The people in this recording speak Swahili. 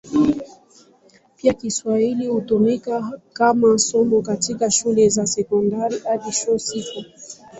Pia Kiswahili hutumika kama somo katika shule za sekondari hadi chuo kikuu.